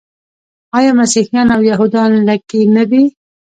آیا مسیحیان او یهودان لږکي نه دي؟